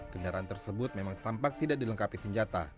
kendaraan tersebut memang tampak tidak dilengkapi senjata